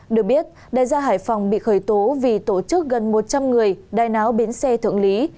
được biết đại gia hải phòng bị khởi tố vì tổ chức gần một trăm linh người đài náo bến xe thượng lý